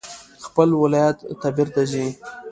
هغه خپل ولایت ته بیرته ځي